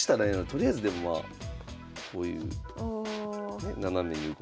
とりあえずでもまあこういうナナメに動く。